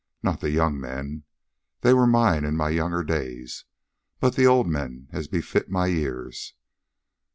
Not the young men. They were mine in my young days. But the old men, as befits my years.